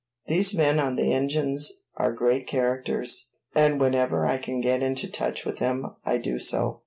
These men on the engines are great characters, and whenever I can get into touch with them I do so.